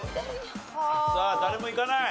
さあ誰もいかない。